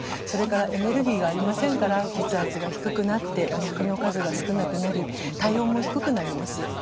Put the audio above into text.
それからエネルギーがありませんから血圧が低くなって脈の数が少なくなり体温も低くなります。